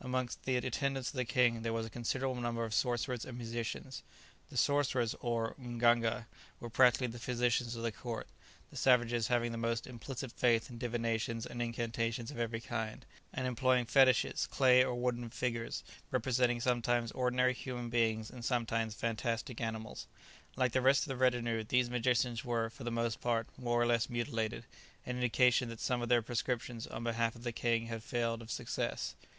Amongst the attendants of the king there was a considerable number of sorcerers and musicians. The sorcerers, or mganga, were practically the physicians of the court, the savages having the most implicit faith in divinations and incantations of every kind, and employing fetishes, clay or wooden figures, representing sometimes ordinary human beings and sometimes fantastic animals. Like the rest of the retinue, these magicians were, for the most part, more or less mutilated, an indication that some of their prescriptions on behalf of the king had failed of success.